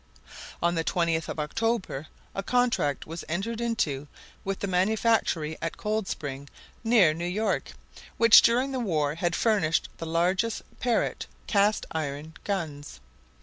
On the 20th of October a contract was entered into with the manufactory at Coldspring, near New York, which during the war had furnished the largest Parrott, cast iron guns.